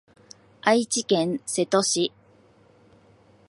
愛知県瀬戸市